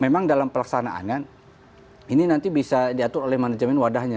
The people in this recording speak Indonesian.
memang dalam pelaksanaannya ini nanti bisa diatur oleh manajemen wadahnya